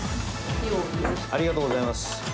ありがとうございます。